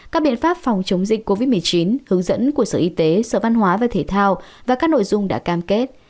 các biện pháp phòng chống dịch covid một mươi chín hướng dẫn của sở y tế sở văn hóa và thể thao và các nội dung đã cam kết